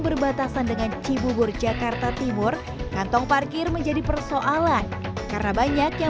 berbatasan dengan cibubur jakarta timur kantong parkir menjadi persoalan karena banyak yang